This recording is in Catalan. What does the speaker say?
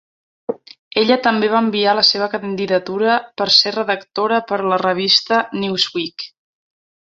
Ella també va enviar la seva candidatura per ser redactora per a la revista "Newsweek".